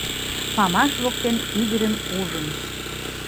Памаш воктен ӱдырым ужын